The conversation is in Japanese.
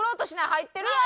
入ってるやん！